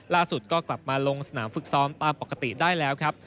ล่าสุดก็กลับมาลงสนามฝึกซ้อมตามปกติได้แล้วครับ